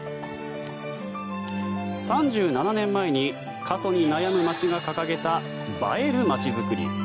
３７年前に過疎に悩む町が掲げた映える町づくり。